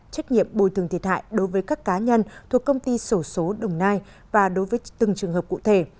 trách nhiệm bồi thường thiệt hại đối với các cá nhân thuộc công ty sổ số đồng nai và đối với từng trường hợp cụ thể